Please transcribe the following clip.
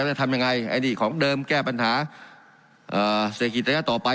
จะทำยังไงไอ้นี่ของเดิมแก้ปัญหาเศรษฐกิจระยะต่อไป